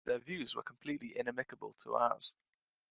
Their views were completely inimicable to ours.